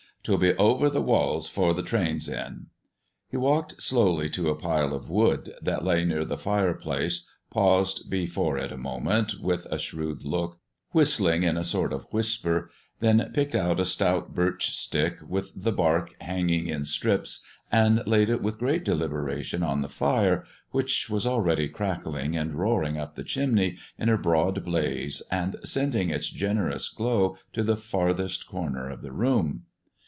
'Twill be over the walls 'fore the train's in." He walked slowly to a pile of wood that lay near the fireplace, paused before it a moment, with a shrewd look, whistling in a sort of whisper, then picked out a stout birch stick with the bark hanging in strips and laid it with great deliberation on the fire, which was already crackling and roaring up the chimney in a broad blaze and sending its generous glow to the farthest corner of the room.